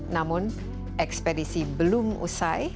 namun ekspedisi belum usai